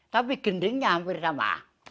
tapi gendingnya hampir sama